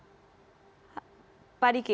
terima kasih pak diki